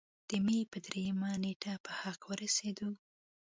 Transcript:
د مۍ پۀ دريمه نېټه پۀ حق اورسېدو